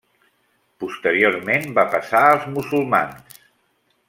Posteriorment va passar als musulmans.